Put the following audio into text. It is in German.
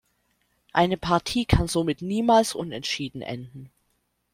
Eine Partie kann somit niemals unentschieden enden.